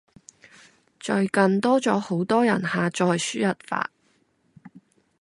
最近多咗好多人下載輸入法